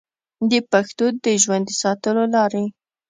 د پښتو د ژوندي ساتلو لارې